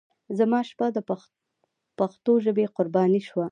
زما شپه د پښتو ژبې قرباني شوه.